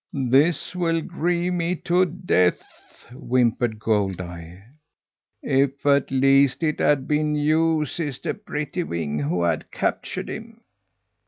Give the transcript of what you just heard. "This will grieve me to death!" whimpered Goldeye. "If at least it had been you, Sister Prettywing, who had captured him!"